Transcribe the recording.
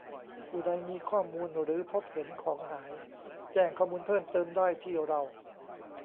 ผู้ใดมีข้อมูลหรือพบเห็นของหายแจ้งข้อมูลเพิ่มเติมได้ที่เรา